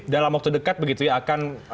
dalam waktu dekat begitu ya akan